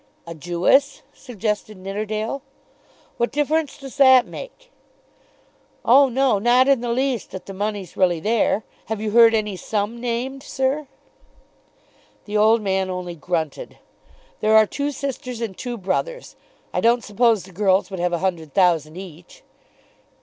"A Jewess," suggested Nidderdale. "What difference does that make?" [Illustration: "What difference does that make?"] "Oh no; not in the least; if the money's really there. Have you heard any sum named, sir?" The old man only grunted. "There are two sisters and two brothers. I don't suppose the girls would have a hundred thousand each."